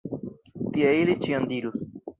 Tie ili ĉion dirus.